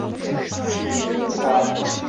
川黔石栎